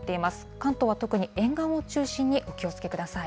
関東は特に沿岸を中心にお気をつけください。